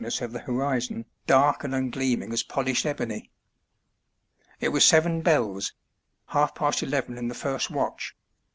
ness of the horizon dark and ungleaming as polished ebony. It was seven bells — half past eleven in the first watch.